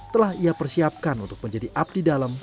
telah ia persiapkan untuk menjadi abdi dalam